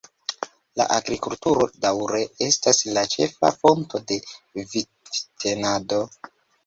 La agrikulturo daŭre estas la ĉefa fonto de vivtenado.